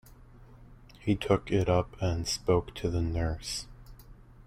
He took it up and spoke to the nurse.